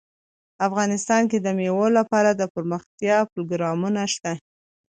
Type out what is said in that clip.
افغانستان کې د مېوې لپاره دپرمختیا پروګرامونه شته.